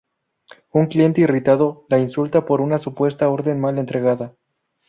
Un cliente irritado la insulta por una supuesta orden mal entregada.